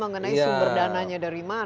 saling berantem mengenai sumber dananya dari mana